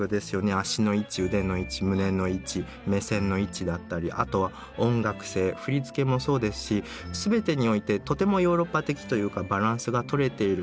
足の位置腕の位置胸の位置目線の位置だったりあとは音楽性振り付けもそうですし全てにおいてとてもヨーロッパ的というかバランスがとれている印象